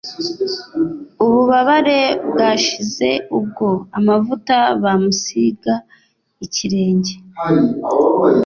ububabare bwashize ubwo amavuta bamusiga ikirenge